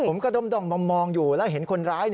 กระด้อมมองอยู่แล้วเห็นคนร้าย